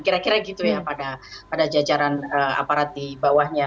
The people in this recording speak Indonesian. kira kira gitu ya pada jajaran aparat di bawahnya